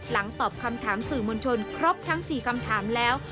ตอบคำถามสื่อมวลชนครบทั้ง๔คำถามแล้ว